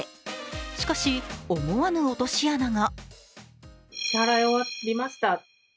しかし、思わぬ落とし穴が。